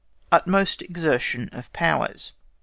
UTMOST EXERTION OF POWERS.